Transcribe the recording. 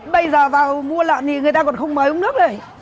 bây giờ vào mua lợn thì người ta còn không mời uống nước lại